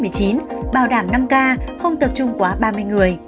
tình hình covid một mươi chín bảo đảm năm ca không tập trung quá ba mươi người